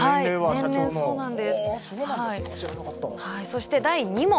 そして第２問。